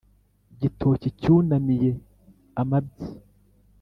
gitoki cyunamiye amabyi.